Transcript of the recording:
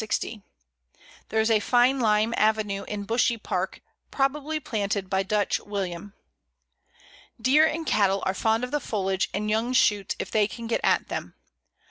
There is a fine Lime avenue in Bushey Park, probably planted by Dutch William. Deer and cattle are fond of the foliage and young shoots if they can get at them.